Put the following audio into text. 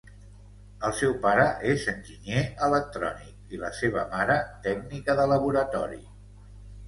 El seu pare és enginyer electrònic i la seva mare, tècnica de laboratori.